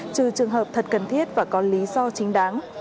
trừ trường hợp thật cần thiết và có lý do chính đáng